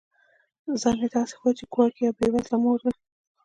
ځان یې داسي وښود چي ګواکي یوه بې وزله مور ده